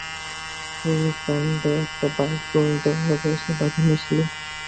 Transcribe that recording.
প্রকাণ্ড একটা বকুলগাছের তলা সাদা মার্বল পাথর দিয়া বাঁধানো ছিল।